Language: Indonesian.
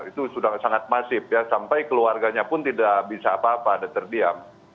itu sudah sangat masif ya sampai keluarganya pun tidak bisa apa apa dan terdiam